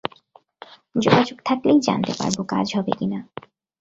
যোগাযোগ থাকলেই জানতে পারব কজা হবে কি না।